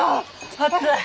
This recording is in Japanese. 暑い！